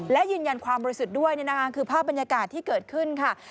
และยืนยันความรู้สึกด้วยนะคะคือภาพบรรยากาศที่เกิดขึ้นค่ะ